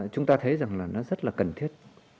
chúng ta thấy rằng là nó rất là cần thiết